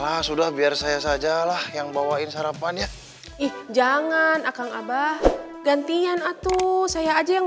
ah sudah biar saya saja lah yang bawain sarapannya ih jangan akang abah gantian atu saya aja yang